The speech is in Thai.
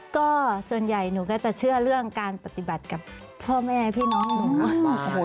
ก็ส่วนใหญ่หนูก็จะเชื่อเรื่องการปฏิบัติกับพ่อแม่พี่น้องหนู